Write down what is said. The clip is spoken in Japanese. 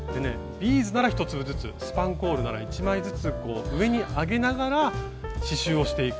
ビーズなら１粒ずつスパンコールなら１枚ずつ上に上げながら刺しゅうをしていく。